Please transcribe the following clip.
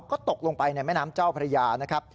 ก็ตกลงไปในแม่น้ำเจ้าพระยานะครับ